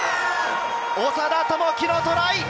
長田智希のトライ！